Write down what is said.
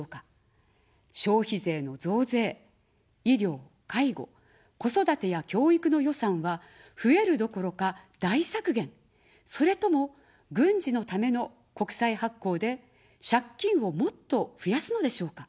消費税の増税、医療、介護、子育てや教育の予算は増えるどころか、大削減、それとも、軍事のための国債発行で借金をもっと増やすのでしょうか。